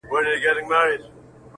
نه بلبل سوای ځان پخپله مړولای -